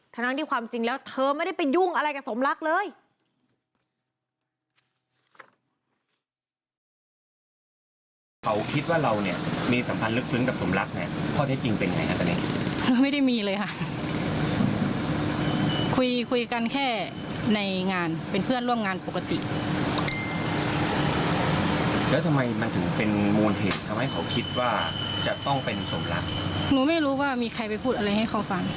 ทั้งที่ความจริงแล้วเธอไม่ได้ไปยุ่งอะไรกับสมรักเลย